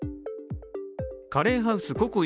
カレーハウスＣｏＣｏ壱